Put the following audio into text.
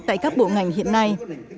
tại các bộ ngành hiện nay